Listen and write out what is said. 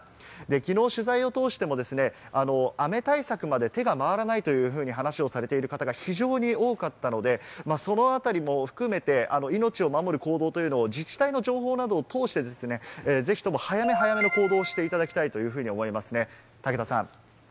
きのう取材を通しても雨対策まで手が回らないというふうに話をされている方が非常に多かったので、そのあたりも含めて、命を守る行動というのを、自治体の情報などを通して、ぜひとも早め早めの行動をしていただきたいというふうに思いますね、武田さん。